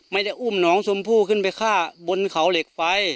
ไม่ได้อุ้มน้องชมพู่ขึ้นไปฆ่าบนเขาเหล็กไฟ